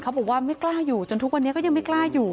บอกว่าไม่กล้าอยู่จนทุกวันนี้ก็ยังไม่กล้าอยู่